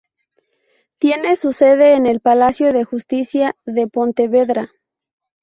Tiene su sede en el Palacio de Justicia de Pontevedra.